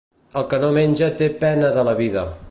El que no menja té pena de la vida.